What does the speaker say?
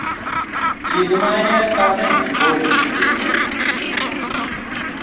Chi ne mainet kamenyin ko ineti emet